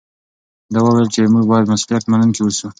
دوی وویل چې موږ باید مسوولیت منونکي اوسو.